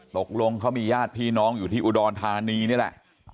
ตกลงเขามีญาติพี่น้องอยู่ที่อุดรธานีนี่แหละ